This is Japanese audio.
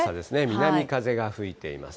南風が吹いています。